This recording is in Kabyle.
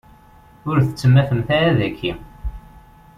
Ur tettemmatem ara daki.